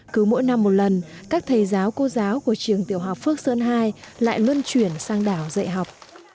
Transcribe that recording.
cứ mỗi năm một lần các thầy giáo cô giáo của trường tiểu học phước sơn hai lại luôn chuyển sang đảo dạy học